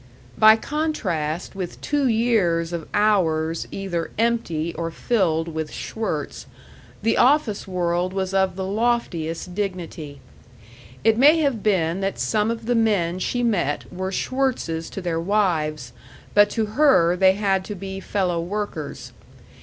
By contrast with two years of hours either empty or filled with Schwirtz, the office world was of the loftiest dignity. It may have been that some of the men she met were Schwirtzes to their wives, but to her they had to be fellow workers.